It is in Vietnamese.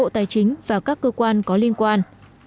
tài chính và các cơ quan có liên quan